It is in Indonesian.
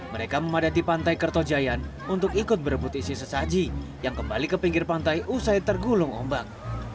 mereka memadati pantai kertojayan untuk ikut berebut isi sesaji yang kembali ke pinggir pantai usai tergulung ombang